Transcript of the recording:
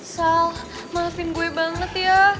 sal maafin gue banget ya